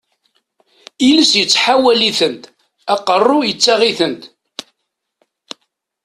Iles yettḥawal-itent, aqerruy yettaɣ-itent.